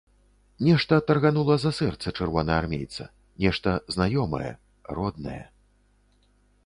Нешта тарганула за сэрца чырвонаармейца, нешта знаёмае, роднае.